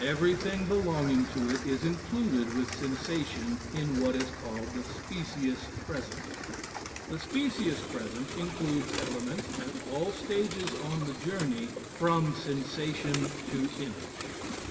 Everything belonging to it is included with sensation in what is called the "specious present." The specious present includes elements at all stages on the journey from sensation to image.